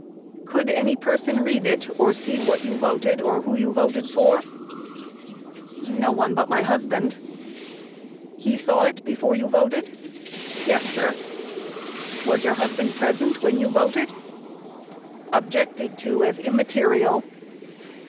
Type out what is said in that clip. Q. Could any person read it, or see what you voted, or who you voted for? A. No one but my husband. Q. He saw it before you voted? A. Yes, sir. Q. Was your husband present when you voted? Objected to as immaterial.